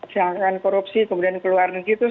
disangkakan korupsi kemudian keluar negeri itu